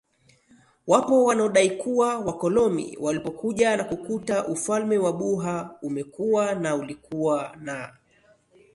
Wapo wanaodai kuwa wakolomi walipokuja na kukuta ufalme wa Buha umekuwa na ulikuwa na